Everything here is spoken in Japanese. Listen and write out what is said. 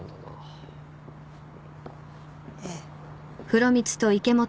ええ。